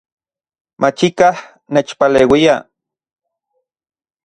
Machikaj nechpaleuia